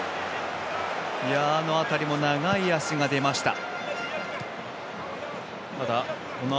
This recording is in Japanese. あの辺りも長い足が出ました。